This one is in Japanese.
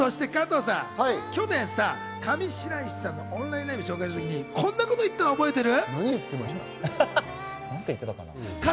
去年、上白石さんのオンラインライブを紹介した時、こんなことを言ったのを覚えてる？